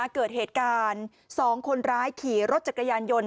เกิดเหตุการณ์๒คนร้ายขี่รถจักรยานยนต์